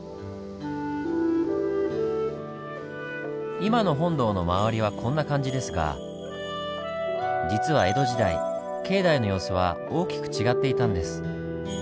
今の本堂の周りはこんな感じですが実は江戸時代境内の様子は大きく違っていたんです。